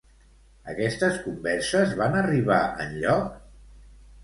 Aquestes converses van arribar enlloc?